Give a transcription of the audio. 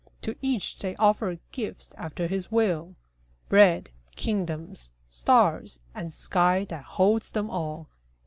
To each they offer gifts after his will, Bread, kingdoms, stars, and sky that holds them all.